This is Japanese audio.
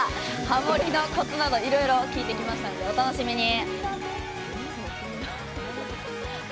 ハモりのコツなどいろいろ聞いてみましたのでお楽しみに。